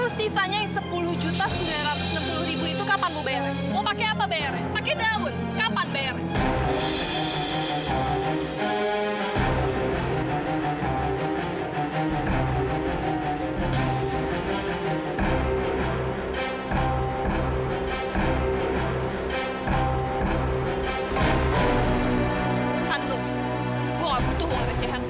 sisanya aku ganti nanti aku cicil